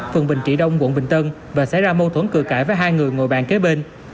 phường bình trị đông quận bình tân và xảy ra mâu thuẫn cự cãi với hai người ngồi bàn kế bên